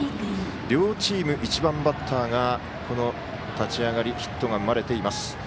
両チーム１番バッターが立ち上がりヒットが生まれています。